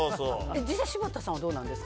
柴田さんはどうなんですか？